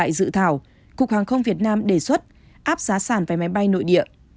tại dự thảo cục hàng không việt nam đề xuất áp giá sản vé máy bay nội địa